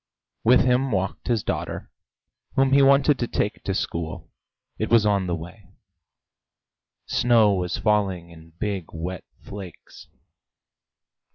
With him walked his daughter, whom he wanted to take to school: it was on the way. Snow was falling in big wet flakes.